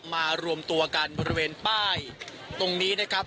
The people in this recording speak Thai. มารวมตัวกันบริเวณป้ายตรงนี้นะครับ